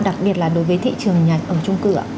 đặc biệt là đối với thị trường nhà ở trung cửa